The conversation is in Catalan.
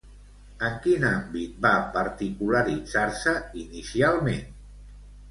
En quin àmbit va particularitzar-se, inicialment?